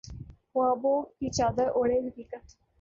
خوابوں کی چادر اوڑھے حقیقت